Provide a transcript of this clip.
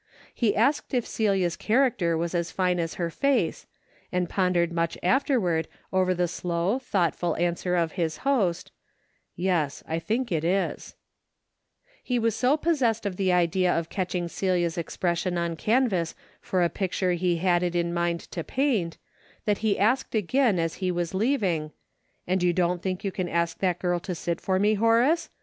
He asked if Celia's character was as fine as her face, and pondered much afterward over the slow thoughtful A DAILY RATEy 305 answer of his host, " Yes, I think it is," He was so possessed of the idea of catching Celia's expression on canvas for a picture he had it in mind to paint, that he asked again as he was leaving, "And you don't think you can ask that girl to sit for me, Horace